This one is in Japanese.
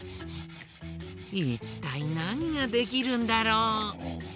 いったいなにができるんだろう？